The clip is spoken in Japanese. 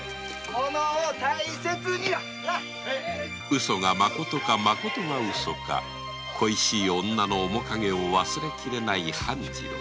ウソがまことかまことがウソか恋しい女の面影を忘れきれない半次郎